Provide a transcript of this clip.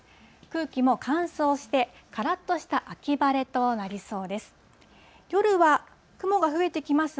空気も乾燥して、からっとした秋晴れとなりそうです。